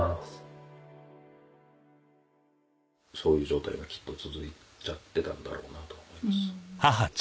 そういう状態がきっと続いちゃってたんだろうなと思いますし。